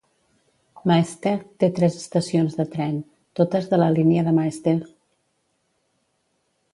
Maesteg té tres estacions de tren, totes de la línia de Maesteg.